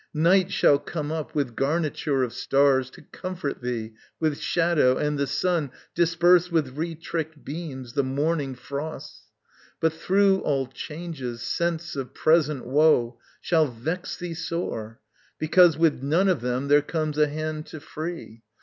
Night shall come up with garniture of stars To comfort thee with shadow, and the sun Disperse with retrickt beams the morning frosts, But through all changes sense of present woe Shall vex thee sore, because with none of them There comes a hand to free.